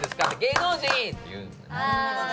「芸能人！」って言う。